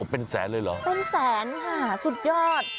เป็นแสนเลยเหรอเป็นแสนค่ะสุดยอด